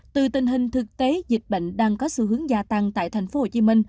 từ tình hình thực tế dịch bệnh đang có xu hướng gia tăng tại tp hcm